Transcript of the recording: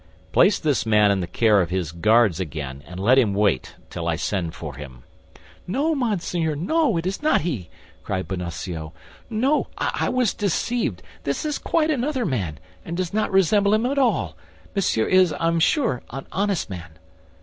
"Place this man in the care of his guards again, and let him wait till I send for him." "No, monseigneur, no, it is not he!" cried Bonacieux; "no, I was deceived. This is quite another man, and does not resemble him at all. Monsieur is, I am sure, an honest man."